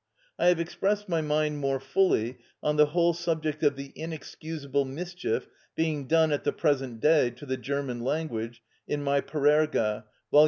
I have expressed my mind more fully on the whole subject of the inexcusable mischief being done at the present day to the German language in my "Parerga," vol.